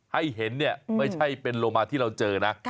ให้เห็นเนี่ยไม่ใช่เป็นโลมาที่เราเจอนะ